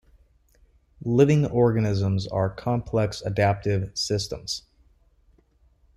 Living organisms are complex adaptive systems.